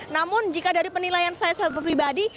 namun jika dari penilaian saya secara pribadi